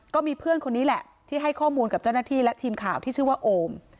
ก็มีเพื่อนคนนี้แหละที่ให้ข้อมูลกับเจ้าหน้าที่และทีมข่าวที่ชื่อว่าโอม